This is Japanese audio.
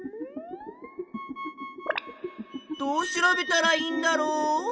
どう調べたらいいんだろう？